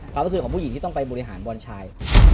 ความรู้สึกของผู้หญิงที่ต้องไปบริหารบอลชาย